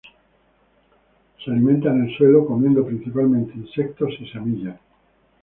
Se alimenta en el suelo, comiendo principalmente insectos y semillas.